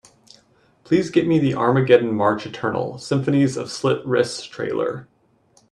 Please get me the Armageddon March Eternal – Symphonies of Slit Wrists trailer.